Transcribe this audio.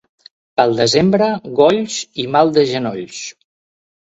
Pel desembre, golls i mal de genolls.